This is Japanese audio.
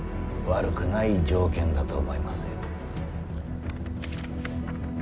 悪くない条件だと思いますよ。